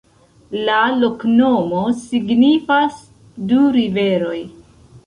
La loknomo signifas: du riveroj.